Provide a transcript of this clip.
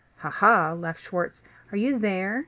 "Ha, ha," laughed Schwartz, "are you there?